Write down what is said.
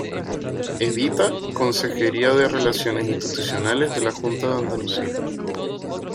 Edita: Consejería de Relaciones Institucionales de la Junta de Andalucía.